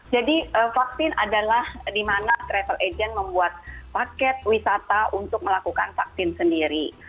jadi vaksin adalah di mana travel agent membuat paket wisata untuk melakukan vaksin sendiri